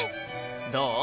どう？